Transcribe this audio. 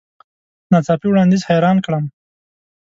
نا څاپي وړاندیز حیران کړم .